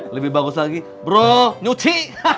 lebih bagus lagi bro nyuci